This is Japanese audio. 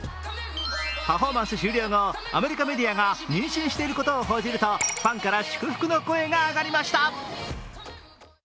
パフォーマンス終了後、アメリカメディアが妊娠していることを報じると、ファンから祝福の声が上がりました。